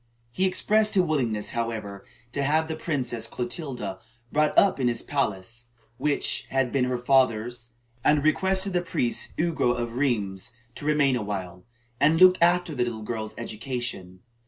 He expressed a willingness, however, to have the Princess Clotilda brought up in his palace, which had been her father's, and requested the priest Ugo of Rheims to remain awhile, and look after the girl's education.